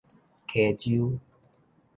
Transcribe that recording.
溪洲